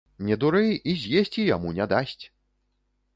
Не дурэй, і з'есці яму не дасць!